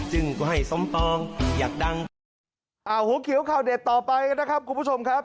หูเขียวข่าวเด็ดต่อไปนะครับคุณผู้ชมครับ